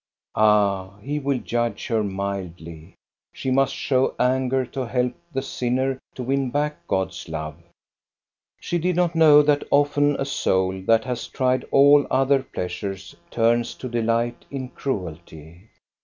Ah, he will judge her mildly. She must show anger to help the sinner to win back God's love. She did not know that often a soul that has tried all other pleasures turns to delight in cruelty.